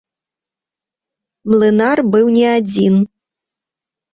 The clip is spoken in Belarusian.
Млынар быў не адзін.